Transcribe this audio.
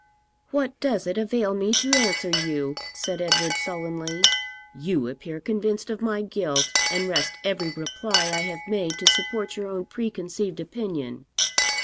'What does it avail me to answer you?' said Edward sullenly. 'You appear convinced of my guilt, and wrest every reply I have made to support your own preconceived opinion.